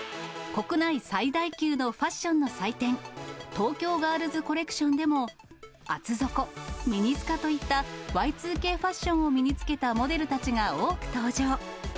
国内最大級のファッションの祭典、東京ガールズコレクションでも、厚底、ミニスカといったＹ２Ｋファッションを身につけたモデルたちが多く登場。